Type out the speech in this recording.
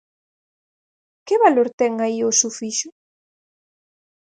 Que valor ten aí o sufixo?